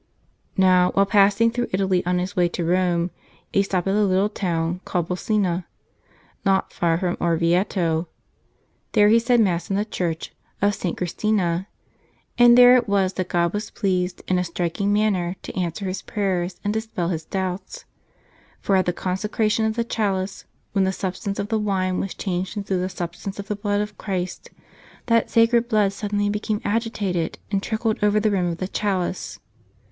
Now, while passing through Italy on his way to Rome, he stopped at a little town called Bolsena, not far from Orvieto. There he said Mass in the church of St. Christina ; and there it was that God was pleased in a striking manner to answer his prayers and dispel his doubts. For at the consecration of the chalice, when the substance of the wine was changed into the substance of the Blood of Christ, that sacred Blood suddenly became agitated and trickled over the rim of the chalice.